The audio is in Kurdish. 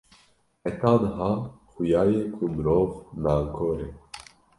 heta niha xuya ye ku mirov nankor e